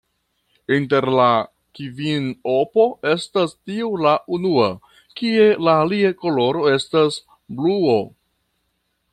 Inter la kvinopo estas tiu la unua, kie la alia koloro estas bluo.